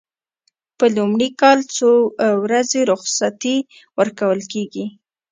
په لومړي کال څو ورځې رخصتي ورکول کیږي؟